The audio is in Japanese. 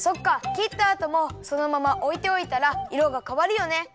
きったあともそのままおいておいたらいろがかわるよね。